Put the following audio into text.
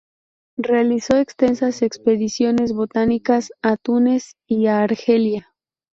Realizó extensas expediciones botánicas a Túnez y a Argelia.